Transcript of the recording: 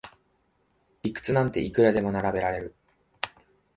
理屈なんていくらでも並べられる